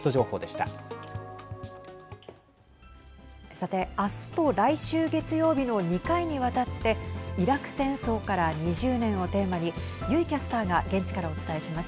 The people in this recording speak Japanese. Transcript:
さて明日と来週月曜日の２回にわたってイラク戦争から２０年をテーマに油井キャスターが現地からお伝えします。